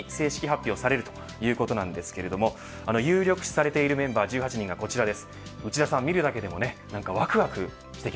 今月下旬に正式発表されるということなんですけども有力視されているメンバー１８人がこちらです。